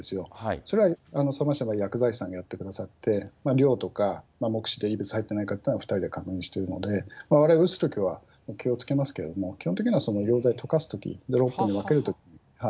それは相馬市では薬剤師さんがやってくださって、量とか目視で異物入っていないかというのは２人で確認しているので、われわれ、打つときは気をつけますけども、基本的にはその溶剤で溶かすとき、６本に分けるときに。